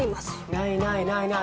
ないないないない。